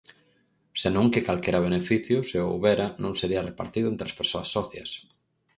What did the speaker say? Senón que calquera beneficio, se o houbera, non sería repartido entre as persoas socias.